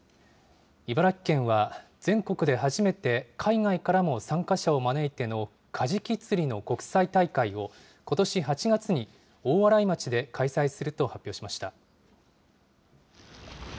茨城県は全国で初めて、海外からも参加者を招いての、カジキ釣りの国際大会をことし８月に大洗町で開催すると発表しました。